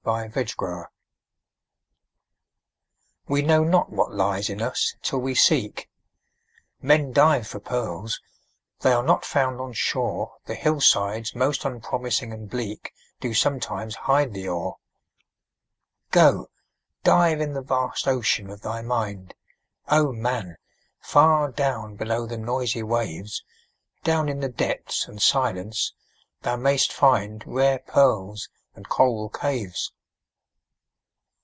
HIDDEN GEMS We know not what lies in us, till we seek; Men dive for pearls—they are not found on shore, The hillsides most unpromising and bleak Do sometimes hide the ore. Go, dive in the vast ocean of thy mind, O man! far down below the noisy waves, Down in the depths and silence thou mayst find Rare pearls and coral caves.